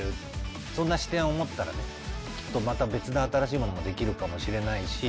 そんな視点を持ったらねきっとまた別な新しいものもできるかもしれないし。